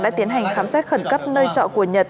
đã tiến hành khám xét khẩn cấp nơi trọ của nhật